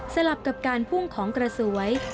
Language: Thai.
ลับกับการพุ่งของกระสวย